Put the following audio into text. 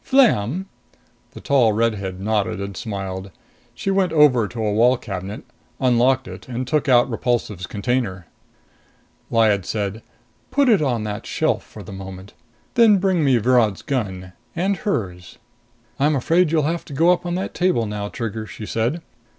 Flam " The tall redhead nodded and smiled. She went over to a wall cabinet, unlocked it and took out Repulsive's container. Lyad said, "Put it on that shelf for the moment. Then bring me Virod's gun, and hers." "I'm afraid you'll have to go up on that table now, Trigger," she said.